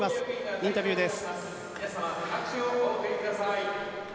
インタビューです。